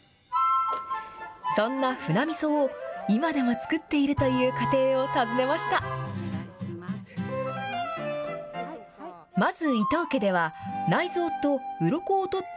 そんなふなみそを、今でも作っているという家庭を訪ねました。